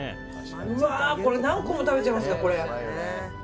これ、何個も食べちゃいますね。